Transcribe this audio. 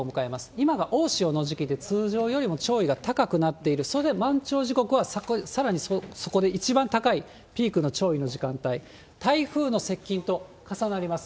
今が大潮の時期で通常よりも潮位が高くなっている、それで満潮時刻はさらにそこで一番高い、ピークの潮位の時間帯、台風の接近と重なります。